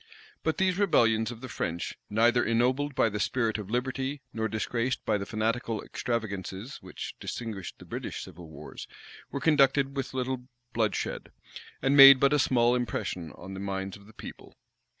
But these rebellions of the French, neither ennobled by the spirit of liberty, nor disgraced by the fanatical extravagancies which distinguished the British civil wars, were conducted with little bloodshed, and made but a small impression on the minds of the people.